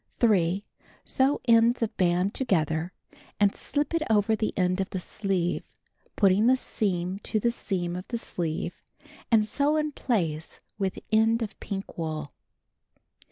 3. Sew ends of band together, and slip it over the end of the sleeve, putting the seam to the seam of the sleeve, and sew in place with end of pink wool.